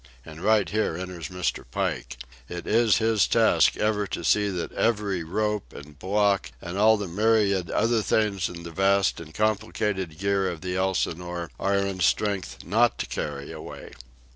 And right here enters Mr. Pike. It is his task ever to see that every rope and block and all the myriad other things in the vast and complicated gear of the Elsinore are in strength not to carry away.